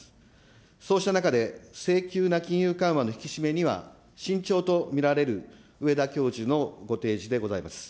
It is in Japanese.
そうした中で性急な金融緩和の引き締めには、慎重と見られる植田教授のご提示でございます。